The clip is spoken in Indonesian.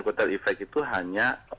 kuatal efek itu hanya